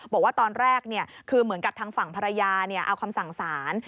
บอกว่าตอนแรกคือเหมือนกับทางฝั่งภรรยาเอาคำสั่งสาร